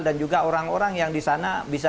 dan juga orang orang yang di sana bisa